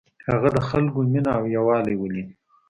هغه د خلکو مینه او یووالی ولید.